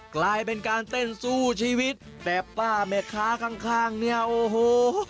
กลายเป็นการเต้นสู้ชีวิตแบบป้าแม่ค้าข้างเนี่ยโอ้โห